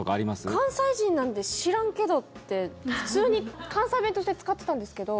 私、関西人なんで知らんけどって普通に関西弁として使ってたんですけど。